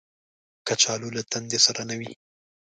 کچالو له تندې سره نه وي